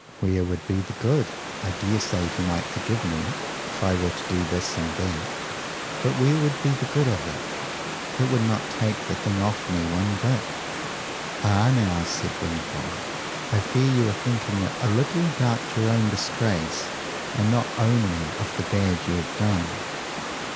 "Where would be the good? I daresay he might forgive me, if I were to do this and that, but where would be the good of it? It would not take the thing off me one bit." "Ah! now," said Wingfold, "I fear you are thinking a little about your own disgrace and not only of the bad you have done.